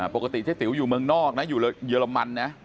เจ๊ติ๋วอยู่เมืองนอกนะอยู่เยอรมันนะ